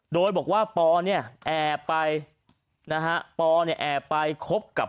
โดยบอกว่าปอแอบไป